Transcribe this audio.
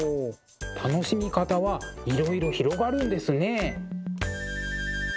楽しみ方はいろいろ広がるんですね。